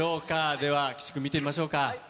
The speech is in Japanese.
では、岸君、見てみましょうか。